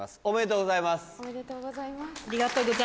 おめでとうございます。